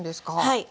はい。